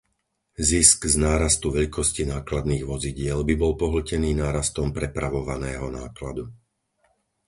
Zisk z nárastu veľkosti nákladných vozidiel by bol pohltený nárastom prepravovaného nákladu.